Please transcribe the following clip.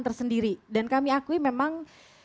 tersendiri dan kami akui memang